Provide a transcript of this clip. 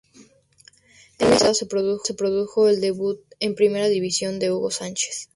En esta temporada se produjo el debut en Primera División de Hugo Sánchez.